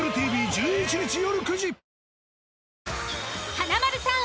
華丸さん